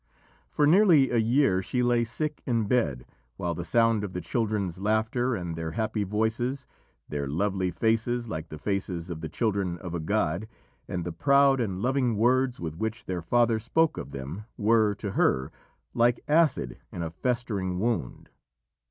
For nearly a year she lay sick in bed, while the sound of the children's laughter and their happy voices, their lovely faces like the faces of the children of a god, and the proud and loving words with which their father spoke of them were, to her, like acid in a festering wound.